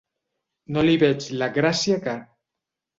No li veig la gràcia que.